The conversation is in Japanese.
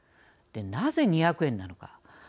なぜ２００円なのか。